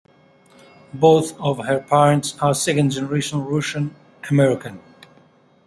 Both of her parents are second-generation Russian American.